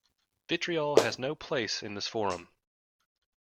Vitriol has no place in this forum.